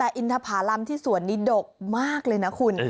แต่อินทภารำที่สวนนี้ดกมากเลยนะคุณ